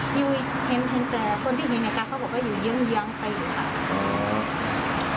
อยู่เห็นแต่คนที่อยู่ในในการเขาบอกว่าอยู่เยื้องไปอยู่ค่ะ